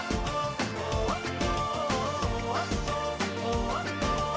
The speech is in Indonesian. jadi diriku sendiri